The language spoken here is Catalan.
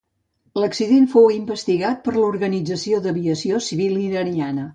L'accident fou investigat per l'Organització d'Aviació Civil Iraniana.